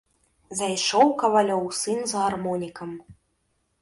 Зайшоў кавалёў сын з гармонікам.